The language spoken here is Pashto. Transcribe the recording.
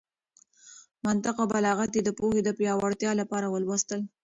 منطق او بلاغت يې د پوهې د پياوړتيا لپاره ولوستل.